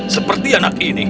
seperti anak ini